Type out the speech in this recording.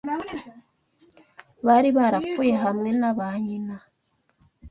Bari barapfuye hamwe na ba nyina